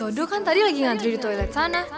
loh si toto kan tadi lagi ngantri di toilet sana